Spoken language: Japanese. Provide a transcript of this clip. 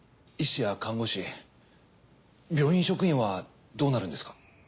医師や看護師病院職員はどうなるんですか？